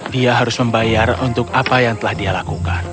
dia harus membayar untuk apa yang telah dia lakukan